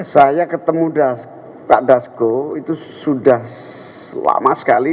saya ketemu pak dasko itu sudah lama sekali